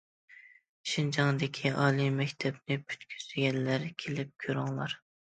شىنجاڭدىكى ئالىي مەكتەپنى پۈتكۈزگەنلەر كېلىپ كۆرۈڭلار!